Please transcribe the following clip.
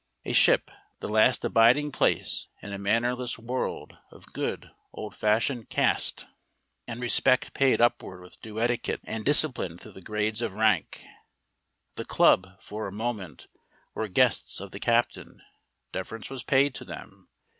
A ship, the last abiding place in a mannerless world of good old fashioned caste, and respect paid upward with due etiquette and discipline through the grades of rank. The club, for a moment, were guests of the captain; deference was paid to them.